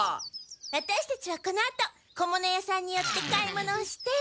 ワタシたちはこのあと小物屋さんに寄って買い物をして。